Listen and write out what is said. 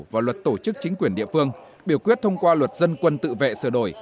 và luật tổ chức chính quyền địa phương biểu quyết thông qua luật dân quân tự vệ sửa đổi